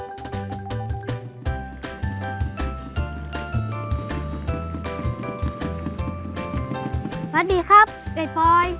สวัสดีครับไอ้ฟอย